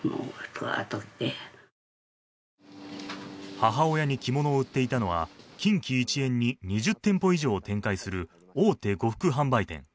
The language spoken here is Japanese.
母親に着物を売っていたのは近畿一円に２０店舗以上を展開する大手呉服販売店。